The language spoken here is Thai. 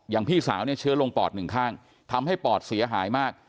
พี่สาวเนี่ยเชื้อลงปอดหนึ่งข้างทำให้ปอดเสียหายมาก